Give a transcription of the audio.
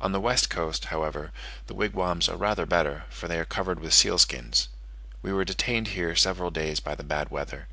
On the west coast, however, the wigwams are rather better, for they are covered with seal skins. We were detained here several days by the bad weather.